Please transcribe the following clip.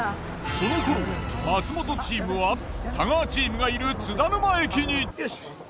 その頃松本チームは太川チームがいる津田沼駅に。